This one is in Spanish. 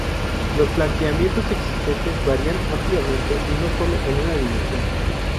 Los planteamientos existentes varían ampliamente y no solo en una dimensión.